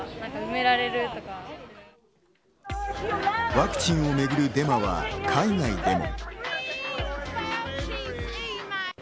ワクチンをめぐるデマは、海外でも。